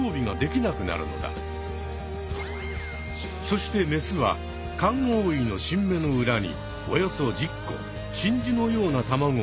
そしてメスはカンアオイの新芽の裏におよそ１０個真珠のような卵を産み付ける。